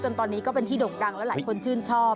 ตอนนี้ก็เป็นที่ด่งดังแล้วหลายคนชื่นชอบ